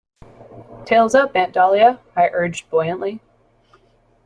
"Tails up, Aunt Dahlia," I urged buoyantly.